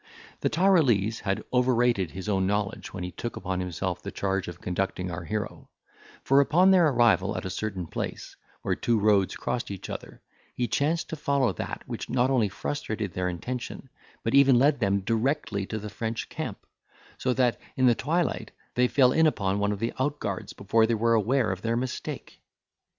The Tyrolese had overrated his own knowledge when he took upon himself the charge of conducting our hero; for upon their arrival at a certain place, where two roads crossed each other, he chanced to follow that which not only frustrated their intention, but even led them directly to the French camp; so that, in the twilight, they fell in upon one of the outguards before they were aware of their mistake.